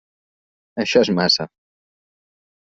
Això és massa.